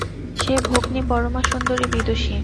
সে ভগ্নী পরমা সুন্দরী বিদুষী।